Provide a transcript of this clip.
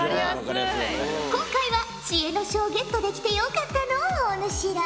今回は知恵の書をゲットできてよかったのうお主ら。